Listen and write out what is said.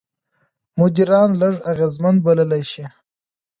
مدیران لږ اغېزمن بلل شوي.